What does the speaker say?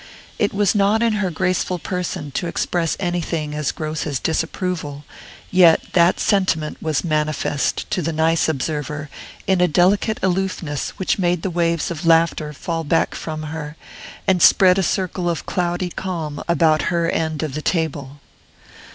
It was not in her graceful person to express anything as gross as disapproval, yet that sentiment was manifest, to the nice observer, in a delicate aloofness which made the waves of laughter fall back from her, and spread a circle of cloudy calm about her end of the table.